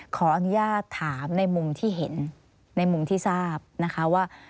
ขออนุญาตถามในมุมที่เห็นในมุมที่ทราบนะคะว่า